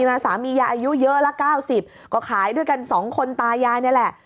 มาสามียายอายุเยอะละ๙๐ก็ขายด้วยกัน๒คนตายายนี่แหละ